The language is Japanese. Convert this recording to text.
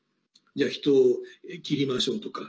じゃあ人を切りましょうとか。